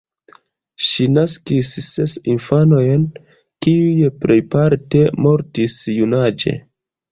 Ŝi naskis ses infanojn, kiuj plejparte mortis junaĝe.